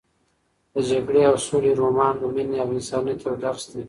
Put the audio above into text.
د جګړې او سولې رومان د مینې او انسانیت یو درس دی.